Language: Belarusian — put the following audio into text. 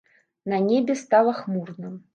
На небе стала хмурна.